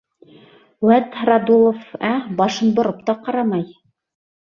Вә-әт, Радулов, ә, башын бороп та ҡарамай.